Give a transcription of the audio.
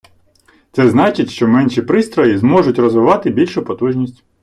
Це значить, що менші пристрої зможуть розвивати більшу потужність.